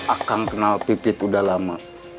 akang kenal pipit udah lama